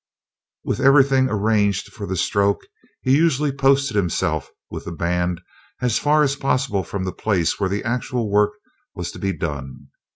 With everything arranged for the stroke, he usually posted himself with the band as far as possible from the place where the actual work was to be done.